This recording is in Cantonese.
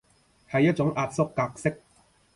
係一種壓縮格式